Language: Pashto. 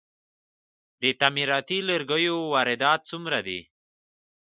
د تعمیراتي لرګیو واردات څومره دي؟